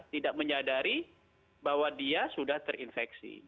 tidak menyadari bahwa dia sudah terinfeksi